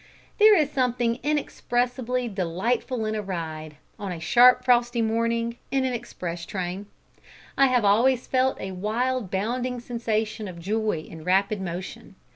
There is something inexpressibly delightful in a ride, on a sharp frosty morning, in an express train. I have always felt a wild bounding sensation of joy in rapid motion.